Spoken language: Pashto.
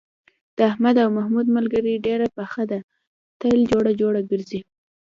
د احمد او محمود ملگري ډېره پخه ده، تل جوړه جوړه گرځي.